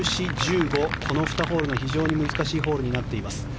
この２ホールが非常に難しいホールになっています。